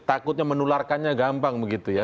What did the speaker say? takutnya menularkannya gampang begitu ya